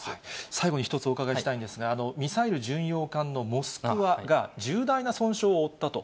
最後に一つお伺いしたいんですが、ミサイル巡洋艦のモスクワが、重大な損傷を負ったと。